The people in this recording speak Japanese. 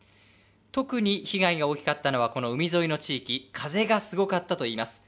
特に被害が大きかったのはこの海沿いの地域、風がすごかったと言います。